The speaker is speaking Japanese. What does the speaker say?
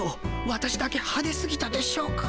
私だけはですぎたでしょうか。